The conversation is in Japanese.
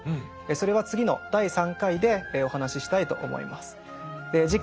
それは次の第３回でお話ししたいと思います。